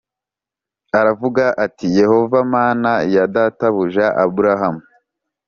Aravuga ati Yehova Mana ya databuja Aburahamu